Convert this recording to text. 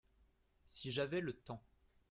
Si j’avais le temps.